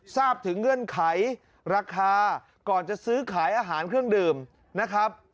ทราบถึงเงื่อนไขราคาก่อนจะซื้อขายอาหารเครื่องดื่มนะครับ